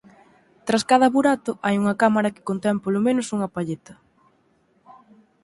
Tras cada burato hai unha cámara que contén polo menos unha palleta.